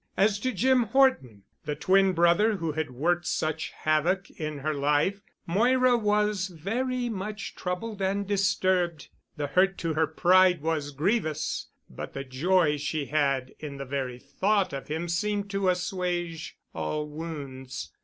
As to Jim Horton, the twin brother who had worked such havoc in her life, Moira was very much troubled and disturbed. The hurt to her pride was grievous but the joy she had in the very thought of him seemed to assuage all wounds.